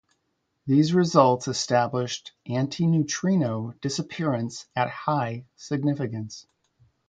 These results established antineutrino disappearance at high significance.